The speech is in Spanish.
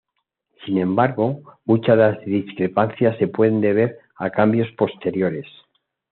Sin embargo, muchas de las discrepancias se pueden deber a cambios posteriores.